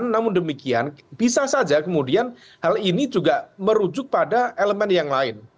namun demikian bisa saja kemudian hal ini juga merujuk pada elemen yang lain